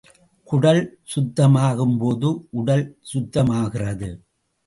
குடல் சுத்தமாகும் போது, உடல் சுத்தமாகிறது.